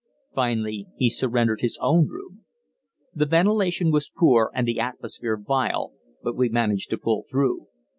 Finally, he surrendered his own room. The ventilation was poor and the atmosphere vile, but we managed to pull through.